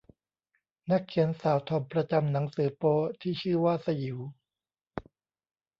นักเขียนสาวทอมประจำหนังสือโป๊ที่ชื่อว่าสยิว